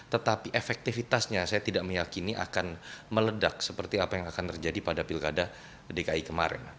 tetapi efektivitasnya saya tidak meyakini akan meledak seperti apa yang akan terjadi pada pilkada dki kemarin